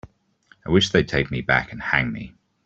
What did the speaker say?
I wish they'd take me back and hang me.